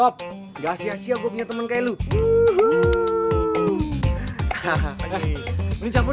rob gak sia sia gue punya temen kayak lu